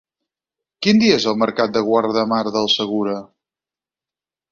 Quin dia és el mercat de Guardamar del Segura?